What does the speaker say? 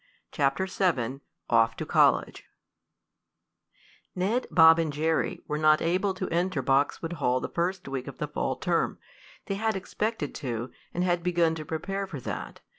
CHAPTER VII OFF TO COLLEGE Ned, Bob and Jerry were not able to enter Boxwood Hall the first week of the fall term. They had expected to, and had begun to prepare for that.